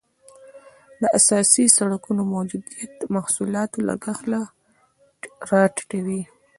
د اساسي سرکونو موجودیت د محصولاتو لګښت را ټیټوي